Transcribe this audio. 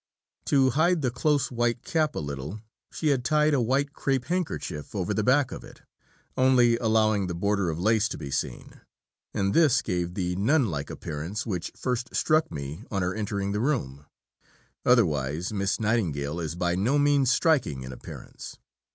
To hide the close white cap a little, she had tied a white crape handkerchief over the back of it, only allowing the border of lace to be seen; and this gave the nun like appearance which first struck me on her entering the room; otherwise Miss Nightingale is by no means striking in appearance.